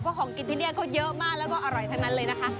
เพราะของกินที่นี่เขาเยอะมากแล้วก็อร่อยทั้งนั้นเลยนะคะ